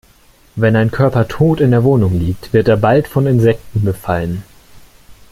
Wenn ein Körper tot in der Wohnung liegt, wird er bald von Insekten befallen.